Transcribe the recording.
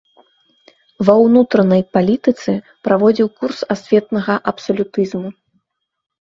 Ва ўнутранай палітыцы праводзіў курс асветнага абсалютызму.